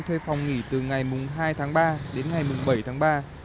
thuê phòng nghỉ từ ngày hai tháng ba đến ngày bảy tháng ba